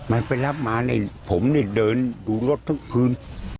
มาไปลับมาเนี่ยนึ้งผมเนี่ยเดินดูรถทั้งคืน